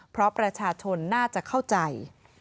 เพราะประชาชนน่าจะเข้าใจ